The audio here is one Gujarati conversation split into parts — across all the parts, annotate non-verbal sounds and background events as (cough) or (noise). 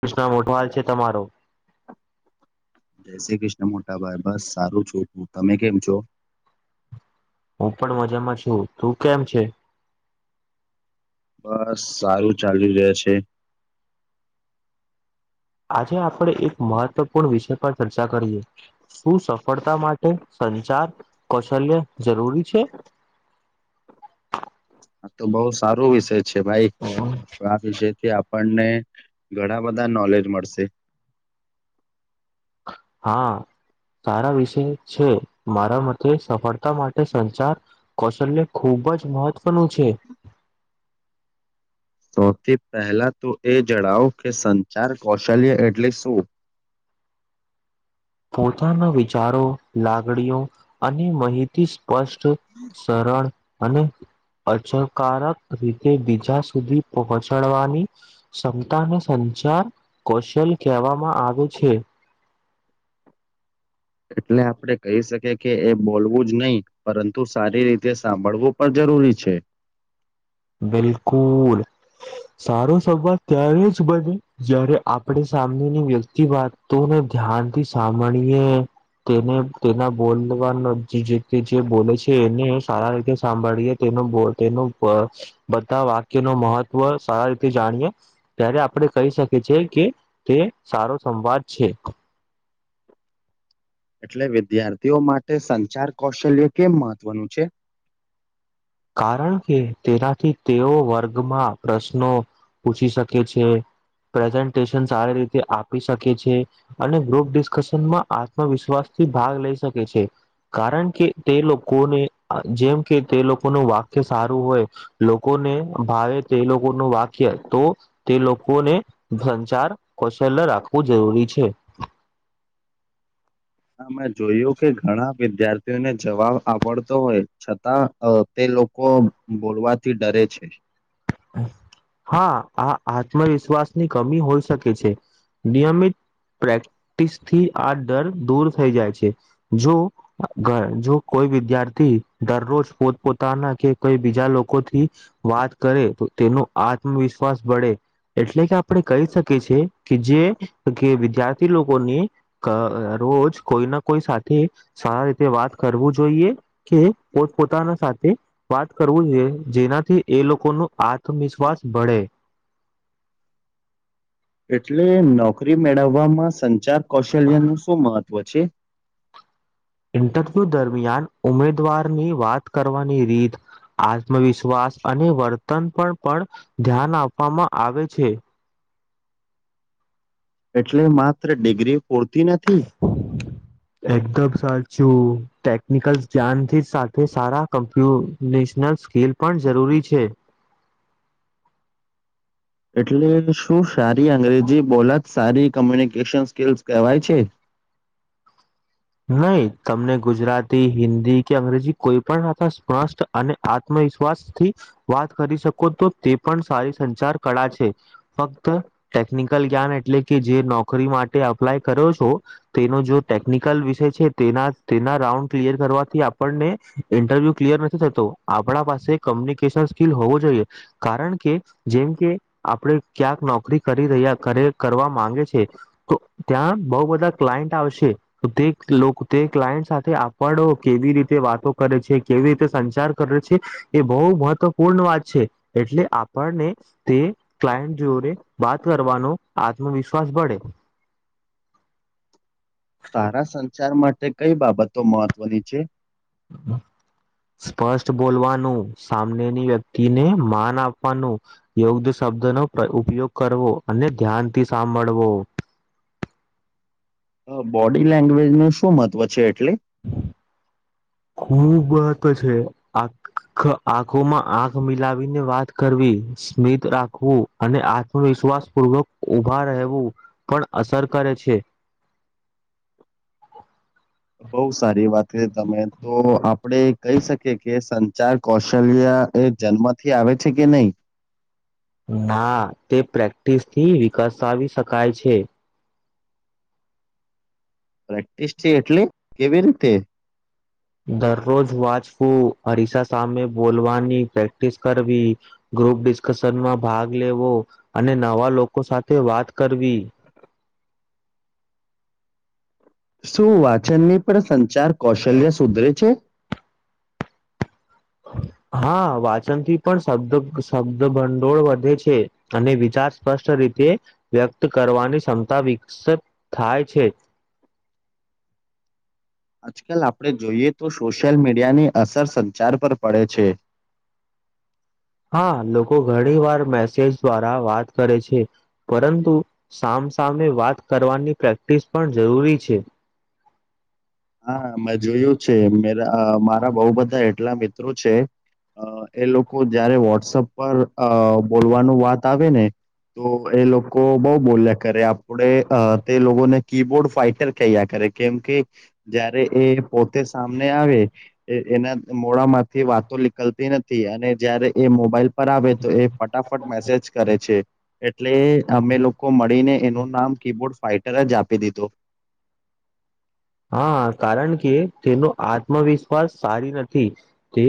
કૃષ્ણ મોઢવાલ છે તમારો જય શ્રી કૃષ્ણ મોટાભાઈ બસ સારું છું હું તમે કેમ છો હું પણ મજામાં છું તું કેમ છે બસ સારું ચાલુ રહે છે આજે આપણે એક મહત્વપૂર્ણ વિષય પર ચર્ચા કરીએ શું સફળતા માટે સંચાર કૌશલ્ય જરૂરી છે આા તો બહુ સારું વિષય છે ભાઈ આ વિષયથી આપ આપણને ઘણા બધા નોલેજ મળશે હા સારા વિષય છે મારા મતે સફળતા માટે સંચાર કૌશલ્ય ખૂબ જ મહત્વનું છે સૌથી પહેલા તો એ જણાવો કે સંચાર કૌશલ્ય એટલે શું પોતાના વિચારો લાગણીઓ અને માહિત અતિ સ્પષ્ટ સરળ અને અસરકારક રીતે બીજા સુધી પહોંચાડવાની ક્ષમતાને જાર કૌશલ કહેવામાં આવ્યું છે. એટલે આપડે કહી શકી કે એ બોલવું જ નહી પરંતુ સારી રીતે સાંભળવું પ જરૂરી છે. (inaudible) બિલકુલ સારો સંવાદ ત્યારે જ બને જય્યારે આપણે સામની વ્યક્તિ વાતોને ધ્યાન થી સાંભળીએ. તેને તેના બોલવાનો જે બોલે છે એને સારા રીતે સાંભળીએ. બ તેનું ઉપ બધા વાક્ય ન મહત્વ સારા રીતે જાણીએ ત્યારે આપણે કહી શકીએ છએ કે તે સારો સંવાદ છે. એટલે વિદ્યાર્થીઓ માટે સંચાર કૌશલ્ય કેમ મહત્વનું છે. કારણ કે તેનાથી તેઓ વર્ગમાં પ્રશ્નો પૂછી શકે છે. પ્રેઝન્ટેશન સારી રીતે આપી શકે છે અને ગ્રુપ ડિસ્કશનમાં આત્મવિશ્વાસ થી ભાગ લઈ શકે છે કારણ કે તે લોકોને જેમ કે તે લોકો નું વાક્ય સારું હોય લોકોને ભાવે તે લોકોનું વાક્ય તો તે લોકોને સંચાર કૌશલ્ય રાખવું જરૂરી છે. (inaudible) મેં જોયું કે ઘણા વિદ્યાર્થીઓને જવાબ આવડતો હોય છતાં તે લોકો બોલવાથી ડરે છે. હા આ આત્મવિશ્વાસની કમી હોઈ શકે છે. નિયમિત પ્રેક્ટિસ થી આ ડર દૂર થઈ જાય છે જો જો કોઈ વિદ્યાર્થી દરરોજ પોતપોતાના કે કોઈ બીજા લોકો થી વાત કરે. તેનો આત્મવિશ્વાસ બળે એટલે કે આપણે કહી શકીએ છેએ કે જે જ્યારથી લોકોને રોજ કોઈ ના કોઈ સાથે સારા રીતે વાત કરવું જોઈએ. કે પોત પોતાના સાથે વાત કરવું જોઈએ જેનાથી એ લોકોનું. આત્મવિશ્વાસ બળે એટલે નોકરી મેળવવામાં સંચાર કૌશલ્ય નું શું મહત્વ છે. ઇન્ટરવ્યુ દરમિયાન ઉમેદવારની વાત કરવાની રીત આત્મવિશ્વાસ અને વર્તન પર પણ ધ્યાન આપવામાં આવે છે. એટલે માત્ર ડિગ્રી પૂરતી નથી. એકદમ સાચું ટેકનિકલ ધ્યાનથી સાથે સારા કમ્પ્યુ નલ સ્કીલ પણ જરૂરી છે. એટલે શું સારી અંગ્રેજી બોલા જ સારી કમ્યુનિકેશન સ્કિલ્સ કહેવાય છે. નહી તમને ગુજરાતી હિન્દી કે અંગ્રેજી કોઈ પણતા સ્પષ્ટ અને આત્મ વિશ્વાસ થી વાત કરી શકો તો તે પણ સારી સંચાર કળા છે. ફક્ત ટેકનિકલ જ્ઞાન એટલે કે જે નોકરી માટે અપ્લાય કર્યો છો તેનો જો ટેકિક ઉન્ ક્લયર કરવાથી આપને ઇન્ટરવ્યુ ક્લયર નથી થતો આપ પાસે લ હો જોઈએ કારણ કે જેમ કે આપણે ક્યાંક નોકરી કરી રહ્યા. કરવા માંગે છે તો ત્યાં બહ બધા ક્લાયન્ટ આવશે. તો તે તે ક્લાયન્ટ સાથે આપડ કેવી રીતે વાતો કરે છે કેવી રીતે સંચાર કરે. એ બહ મહત્વપૂર્ણ વાત છે એટલે આપણને તે ક્લાયન્ટ જોને વાત કરવાનો આત્મવિશ્વાસ ભળે. સારા સંચાર માટે કઈ બાબતો મહત્વની છે. બમ. સ્પષ્ટ બોલવાનું સામનેની વ્યક્તિને માન આપવાનું યોગ્ય શબ્દ નો ઉપયોગ કરવો અને ધ્યાનથી સાંભળવો. બોડી લેંગ્વેજ નું શું મહત્વ છે, એટલે ખુબ મહત્વ છે, આખ આંખોમાં આંખ મિલાવીને વાત કરવી. સ્મિત રાખવું. અને આત્મવિશ્વાસ પૂર્વક ઊભા રહેવું પણ અસર કરે છે. બઉ સારી વાત કરી તમે તો આપ. આપણે કહી શકીએ કે સંચાર કૌશલ્ય એ જન્મથી આવે છે કે નહી. ના તે પ્રેક્ટિસ થી વિકસાવી શકાય છે. પ્રેક્ટિસ છે, એટલે કેવી રીતે. દરરોજ વાંચવું. અરીસા સામે બોલવાની પ્રેક્ટિસ કરવી ગ્રુપ ડિસ્કશનમાં ભાગ લેવો. અને નવા લોકો સાથે વાત કરવી. શું વાંચનની પણ સંચાર કૌશલ્ય સુધરે છે. હું. હા વાંચન થી પણ શબ્દ શબ્દ ભંડોળ વધે છે. અને વિચાર સ્પષ્ટ રહે. રીતે વ્યક્ત કરવાની ક્ષમતા વિકસ થાય છે. (unintelligible) (inaudible) આજકાલ આપણે જોઈએ તો સોશિયલ મીડિયાની અસર સંચાર પર પડે છે. (unintelligible) (inaudible) હા લોકો ઘણી વાર મેસેજ દ્વારા વાત કરે છે, પરંતુ સા સામે વાત કરવાની પ્રેક્ટિસ પણ જરૂરી છે. હા મેં જોયું છે, મે મારા બહુ બધા એટલા માં. જો‌ છે, એ લોકો જયારે વોટ્સપ પર બોલવાનું વાત આવે ને તો એ લોકો બઉ બોલ્યા કરે, આપડે તે લોકોને કીબોર્ડ ફાઈટર કૈયા કરે કેમ કે, જયારે એ પોતે સામને આવે એના મોડામાંથી વાતો નીકલતી નથી. અને જયારે એ મોબાઈલ પર આવે તો એ ફટાફટ મેસેજ કરે છે. એટલે અમે લોકો મળીને એનું નામ કી-બોર્ડ ફાઇટર જ‌ આપી દિધો. હા, કારણ કે તેનો આત્મવિશ્વાસ સારી નથી તે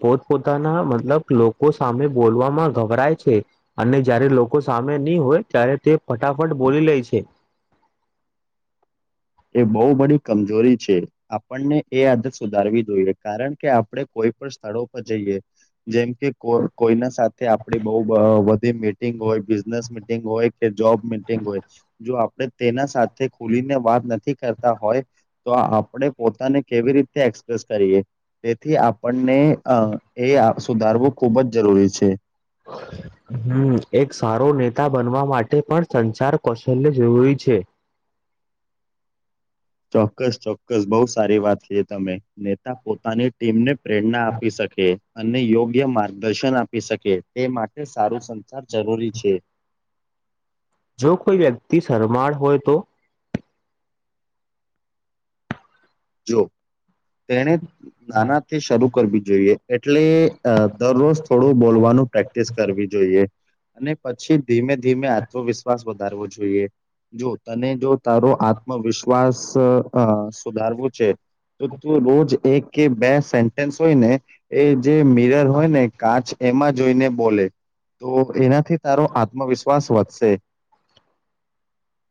પોત- પોતાના મતલબ લોકો સામે બોલવામાં ગભરાય છે, અને જયારે લોકો સામે નહી હોય ત્યારે તે ફટાફટ બોલી લે છે, (unintelligible) (inaudible) એ બહુ બધી કમજોરી છે, આપણને એ આદત સુધારવી જોઈએ, કારણ કે આપણે કોઈ પણ. સ્થળો પર જઈએ. જેમ કે કોઈના સાથે આપડી બઉ વધી મીટિંગ હોય બિઝનેસ મિટિંગ હોય. જોબ મિટિંગ હોય જો આપણે તેના સાથે ખોલીને વાત નથી. હોય તો આપ પોતાને કેવી રીતે એક્સપ્રેસ કરીએ તેથી આપણને એ સુધારવું ખુબ જ જરૂરી છે. હું એક સારો નેતા બનવા માટે માટે પણ સંસાર કૌશલ્ય જરૂરી છે. ચોક્કસ ચોક્કસ બહુ સારી વાત છે, તમે નેતા પોતાની ટીમને પ્રેરણા આપી શકે. અને યોગ્ય માર્ગદર્શન આપી શકે તે માટે સારું સંસાર જરૂરી છે. જો કોઈ વ્યક્તિ શરમાળ હોય તો, જો તેને નાનાથી શરૂ કરવી જોઈએ, એટલે દરરોજ થોડું બોલવું. પ્રેક્ટિસ કરવી જોઈએ, અને પછી ધીમે ધીમે આત્મવિશ્વાસ જોઈ જો તને જો તારો આત્મવિશ્વાસ સુધારવો. છે તો તું રોજ એક કે બે સેન્ટેન્સ હોય, ને એ જે મિરર હોય ને કાચ એમાં જ. જોઈને બોલે તો એનાથી તારો આત્મવિશ્વાસ વધશે.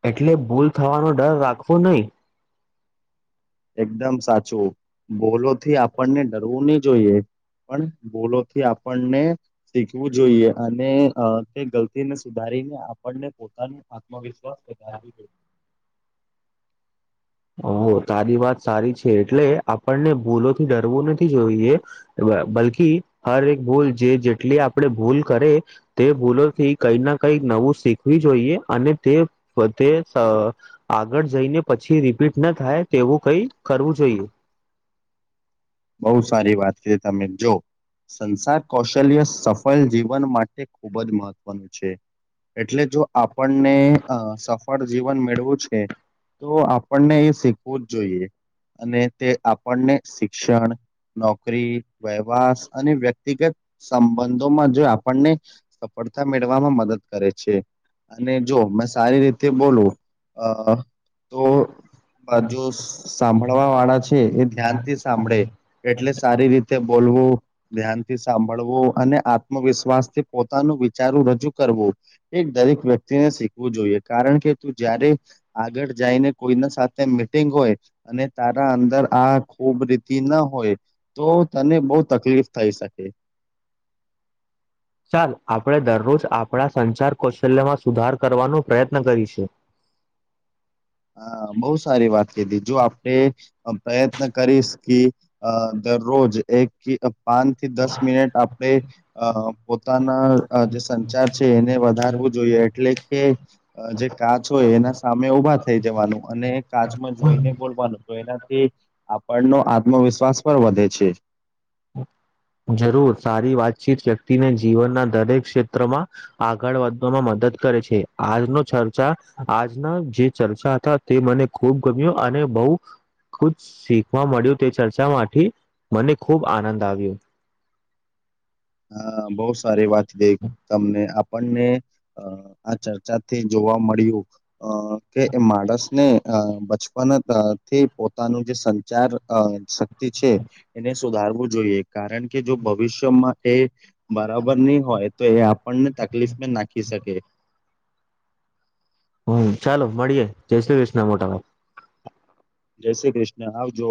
એટલે ભૂલ થવાનો ડર રાખવો નહી. એકદમ સાચું બોલોથી આપણને ડરવું નહી જોઈએ. પણ બોલોથી આપણને શીખવું જોઈએ અને તે ગલતીને સુધારી. કરીને આપણને પોતાનું આત્મવિશ્વાસ. હા. વધારવું જોઈએ તારી વાત સારી છે એટલે આપણને ભૂલોથી ડરવું નથી જોઈએ. બલ્કી. હર એક ભૂલ જે જેટલી આપણે ભૂલ કરે તે ભૂલોથી કંઈક ના કંઈક નવું. શીખવી જોઈએ અને તે આગળ જઈને પછી. રીપીટ થાય તેવું કઈ કરવું જોઈએ. બહુ સારી વાત છે તમે જો સંસાર કૌશલ્ય સફળ જીવન માટે ખૂબ જ મહત્વનું છે. એટલે જો આપણને સફળ જીવન મેળવું છે. તો આપણને એ શીખવું જ જોઈએ અને તે આપણને શિક્ષણ, નોકરી, વ્યવાાર અને વ્યક્તિગત સંબંધોમાં જો આપ આપણને સફળતા મેળવામાં મદદ કરે છે. અને જો મેં સારી રીતે બોલું અ તો બા જોુ સાંભળવા વાળા છે એ ધ્યાનથી. સાભે એટલે સારી રીતે બોલ. ધ્યાનથી સાંભળવો અને આત્મવિશ્વાસ થી પોતાનું વિચારું રજૂ કરવું. એક દરેક વ્યક્તિને શીખવું જોઈએ કારણ કે તું જયારે આગળ જઈને કોઈના સાથે. મીટિંગ હોય અને તારા અંદર આ ખુબ રીતે. ના હોય તો તને બહ તકલીફ થઈ શકે. ચાલ આપણે દરરોજ આપણા સંચાર કૌશલ્યમાં સુધાર કરવાનો પ્રયત્ન કરીશું. (unintelligible) હા બહુ સારી વાત કીધી જો આપણે પ્રયત્ન કરીશ કે રોજ એક પાંચ થી દસ મિનિટ આપણે અ પોતાના જે સંચાર છે એને વધારવું. જોઈએ એટલે કે જે કાચ હોય એના સામે ઉભા થ જવાનું અને કાચમાં જોઈને બોલવાનું તો એનાથી આપણનો આત્મવિશ્વાસ પણ વધે છે. જરૂર સારી વાતચીત વ્યક્તિને જીવનના દરેક ક્ષેત્રમાં આગળ વધવામાં મદદ કરે છે આજનો ચર્ચા આજના જે ચર્ચા હતા તે મને ખુબ ગમ્યો અને બહ કુ શીખવા મળ્યું તે ચર્ચામાંથી મને ખૂબ આનંદ આવ્યો. હા બહુ સારી વાત દે તમને આપણને આ ચર્ચાથી જોવા મળ્યું કે એ માણસ ને બચપનથી પોતાનું જે સંચાર શક્તિ છે એને સુધાર કરવું જોઈએ કારણ કે જો ભવિષ્યમાં એ બરાબર નહી હોય તો એ આપણને તકલીફ નાખી શકે. હમ ચાલો મળીયે જય શ્રી કૃષ્ના મોટા ભાઈ. જય શ્રી કૃષ્ણ આવજો.